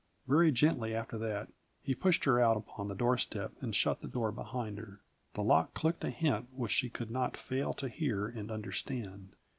Very gently, after that, he pushed her out upon the doorstep and shut the door behind her. The lock clicked a hint which she could not fail to hear and understand.